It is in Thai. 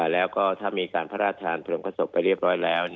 แล้วก็ถ้ามีการพระราชทานเพลิงพระศพไปเรียบร้อยแล้ว